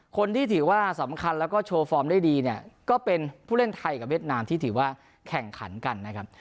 คนที่ถือว่าสำคัญแล้วก็โชว์ฟอร์มได้ดีเนี่ยก็เป็นผู้เล่นไทยกับเวียดนามที่ถือว่าแข่งขันกันนะครับ